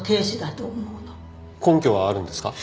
根拠はあるんですか？